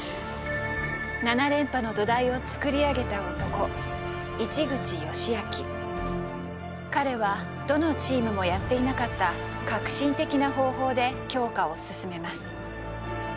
７連覇の土台を作り上げた男彼はどのチームもやっていなかった革新的な方法で強化を進めます。